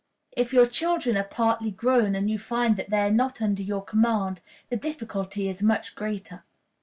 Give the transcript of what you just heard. If your children are partly grown, and you find that they are not under your command, the difficulty is much greater.